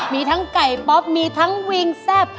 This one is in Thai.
มีทั้งไก่ป๊อปมีทั้งวิงแซ่บ